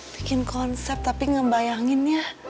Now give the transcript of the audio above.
bikin konsep tapi ngebayangin ya